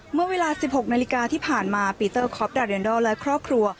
เมื่อเวลาสิบหกนาฬิกาที่ผ่านมาปีเตอร์คอปและครอบครัว